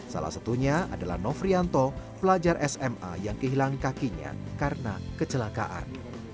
salah satunya adalah nofrianto pelajar sma yang kehilangan kakinya karena kecelakaan